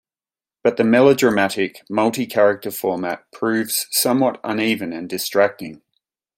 But, the melodramatic, multi-character format proves somewhat uneven and distracting.